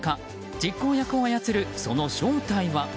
実行役を操る、その正体は。